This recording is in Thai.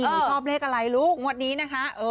หนูชอบเลขอะไรลูกงวดนี้นะคะ